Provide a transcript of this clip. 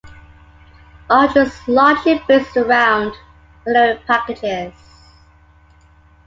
Arch is largely based around binary packages.